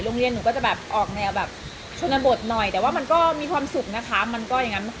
โรงเรียนหนูก็จะออกแบบชนบดหน่อยแต่มันก็มีความสุขนะคะ